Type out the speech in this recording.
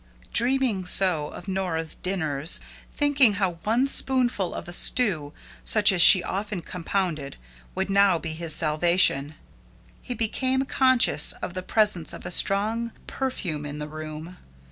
Dreaming so of Nora's dinners, thinking how one spoonful of a stew such as she often compounded would now be his salvation, he became conscious of the presence of a strong perfume in the room.